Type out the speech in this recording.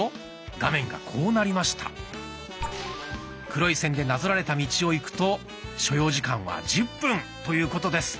黒い線でなぞられた道を行くと所要時間は１０分ということです。